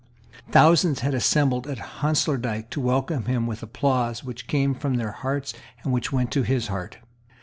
Thousands had assembled at Honslaerdyk to welcome him with applause which came from their hearts and which went to his heart.